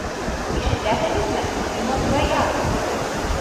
Ишетәһегеҙме, Умырзая!